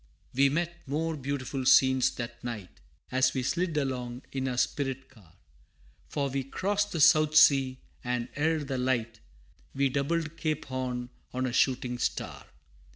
We met more beautiful scenes that night, As we slid along in our spirit car, For we crossed the South Sea, and, ere the light, We doubled Cape Horn on a shooting star.